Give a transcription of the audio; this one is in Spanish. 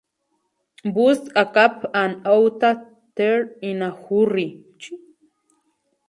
Bust a cap and outta there in a hurry.